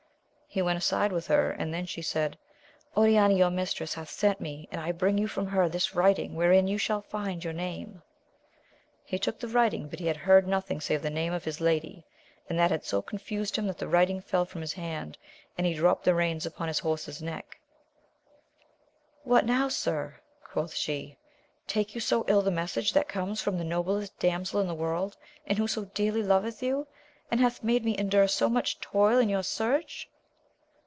He went aside with her, and then she said, Oriana, your mistress, hath sent me, and I bring you from her this.writing wherein you shall find your name. He took the writing, but he had heard nothing save the name of his lady, and that had so confused him that the writing fell from his hand, and he dropped the reins upon his horse's neck; What now, sir 1 quoth she ; take you so ill the message that comes from the noblest damsel in the world, and who so dearly loveth you, and hath made me endure so much toil in your search?